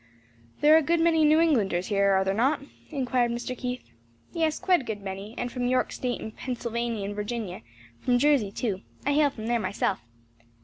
"There are a good many New Englanders here, are there not?" inquired Mr. Keith. "Yes, quite a good many; and from York state and Pennsylvany and Virginia; from Jersey too; I hail from there myself.